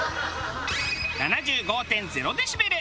７５．０デシベル。